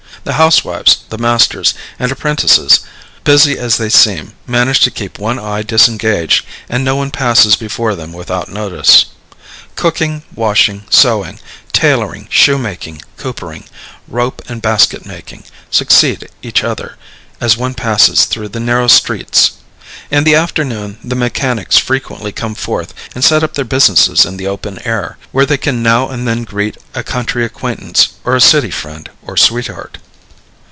The housewives, the masters, and apprentices, busy as they seem, manage to keep one eye disengaged, and no one passes before them without notice. Cooking, washing, sewing, tailoring, shoemaking, coopering, rope and basket making, succeed each other, as one passes through the narrow streets. In the afternoon, the mechanics frequently come forth and set up their business in the open air, where they can now and then greet a country acquaintance or a city friend or sweetheart.